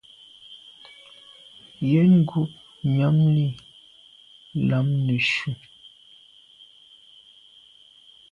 Yen ngub nyàm li lam neshu.